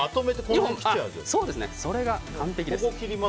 それが完璧です。